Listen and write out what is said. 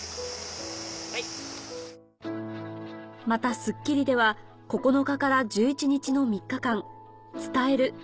また『スッキリ』では９日から１１日の３日間「伝える。